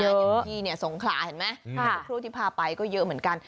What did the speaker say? อย่างพี่เนี่ยสงขลาเห็นไหมครูที่พาไปก็เยอะเหมือนกัน